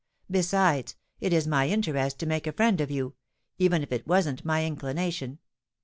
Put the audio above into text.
Besides, it is my interest to make a friend of you—even if it wasn't my inclination.